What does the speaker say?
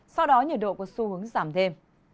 sau đó nhiệt độ có xu hướng giảm thêm